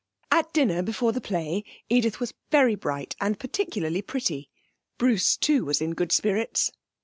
At dinner before the play Edith was very bright, and particularly pretty. Bruce, too, was in good spirits.